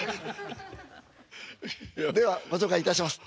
ではご紹介いたします。